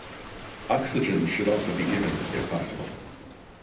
Oxygen should also be given if possible.